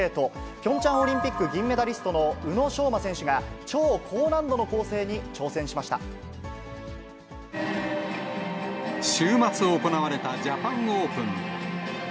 ピョンチャンオリンピック銀メダリストの宇野昌磨選手が、超高難週末行われたジャパンオープン。